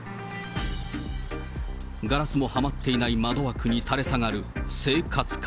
ガラスもはまっていない窓枠に垂れ下がる生活感。